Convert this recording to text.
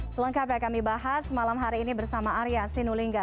selengkapnya kami bahas malam hari ini bersama arya sinulinga